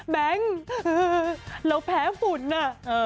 แบงค์เราแพ้ฝุ่นอ่ะ